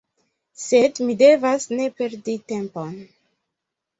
Sed mi devas ne perdi tempon.